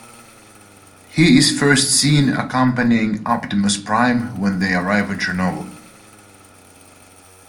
He is first seen accompanying Optimus Prime when they arrive in Chernobyl.